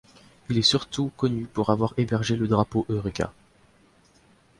Il surtout connu pour avoir hébergé le drapeau eureka.